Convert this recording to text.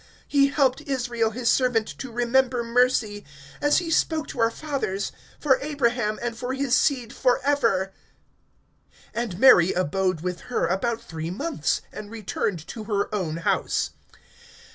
(54)He helped Israel, his servant; to remember mercy, (55)as he spoke to our fathers, for Abraham and for his seed forever. (56)And Mary abode with her about three months, and returned to her own house.